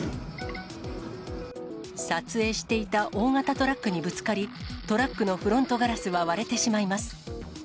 撮影していた大型トラックにぶつかり、トラックのフロントガラスは割れてしまいます。